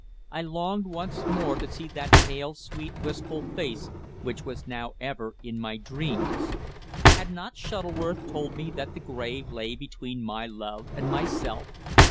I longed once more to see that pale, sweet, wistful face which was now ever in my dreams. Had not Shuttleworth told me that the grave lay between my love and myself?